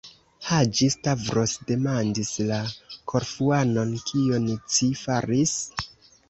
Haĝi-Stavros demandis la Korfuanon: Kion ci faris?